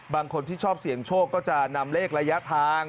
บางคนที่ชอบเสี่ยงโชคก็จะนำเลขระยะทาง